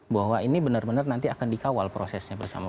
bahwa ini benar benar nanti akan dikawal prosesnya bersama